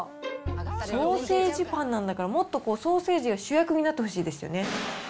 ソーセージパンなんだから、もっとソーセージが主役になってほしいですよね。